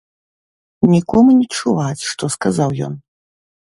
Нікому не чуваць, што сказаў ён.